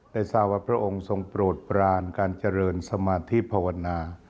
ได้ทราบว่าพระองค์ทรงโปรดปรานการเจริญสมาธิภาวนา